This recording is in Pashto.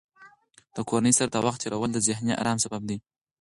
د کورنۍ سره د وخت تېرول د ذهني ارام سبب دی.